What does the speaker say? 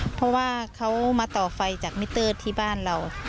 เพราะว่าเขามาต่อไฟจากมิเตอร์ที่บ้านเรา